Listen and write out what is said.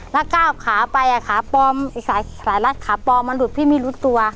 แล้วก็ออกขาไปอีกสายรถขาปอมมาหลุดพี่มีรุดตัว